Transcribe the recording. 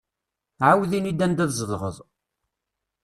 Ԑawed ini-d anda tzedɣeḍ.